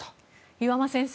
岩間先生